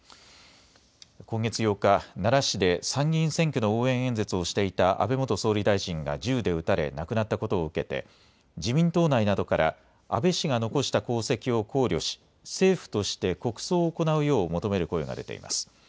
今月８日、奈良市で参議院選挙の応援演説をしていた安倍元総理大臣が銃で撃たれ亡くなったことを受けて、自民党内などから、安倍氏が残した功績を考慮し、政府として国葬を行うよう求める声が出ています。